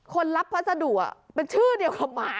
คนรับพัสดุเป็นชื่อเดียวกับหมา